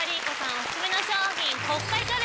オススメの商品。